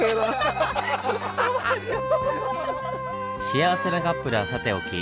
幸せなカップルはさておき